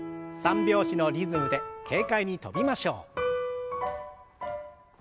３拍子のリズムで軽快に跳びましょう。